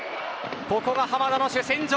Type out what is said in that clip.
ここが濱田の主戦場。